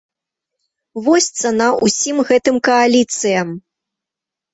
Вось цана ўсім гэтым кааліцыям!